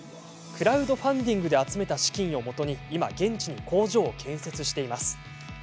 クラウドファンディングで集めた資金をもとに今、現地に工場を建設しています。